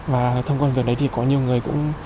và thông qua việc đấy thì có nhiều người cũng